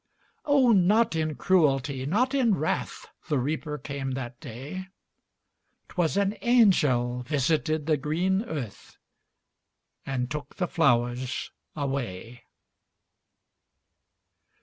O, not in cruelty, not in wrath, The Reaper came that day; 'Twas an angel visited the green earth, And took the flowers away.